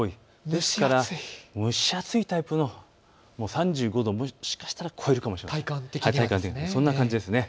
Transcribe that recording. ですから蒸し暑いタイプの３５度、もしかしたら超えるかもしれない、そんな感じです。